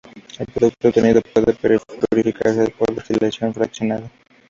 El producto obtenido puede purificarse por destilación fraccionada.